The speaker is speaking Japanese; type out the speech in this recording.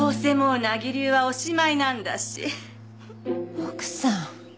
奥さん。